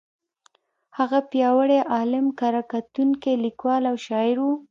هغه پیاوړی عالم، کره کتونکی، لیکوال او شاعر و.